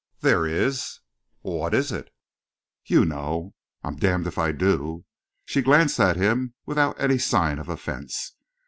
"There is." "What is it?" "You know." "I'm damned if I do!" She glanced at him without any sign of offence.